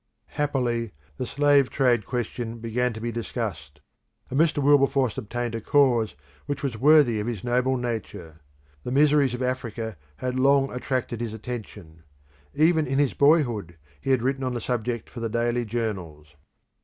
Happily, the slave trade question began to be discussed, and Mr. Wilberforce obtained a cause which was worthy of his noble nature. The miseries of Africa had long attracted his attention: even in his boyhood he had written on the subject for the daily journals.